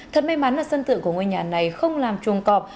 thật may mắn là sân tượng của ngôi nhà này không làm chuồng cọp